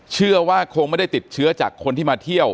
เชื่อว่าคงไม่ได้ติดเชื้อจากคนที่มาเที่ยว